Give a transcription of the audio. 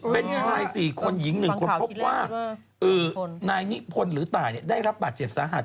เป็นชาย๔คนหญิง๑คนพบว่านายนิพนธ์หรือตายได้รับบาดเจ็บสาหัส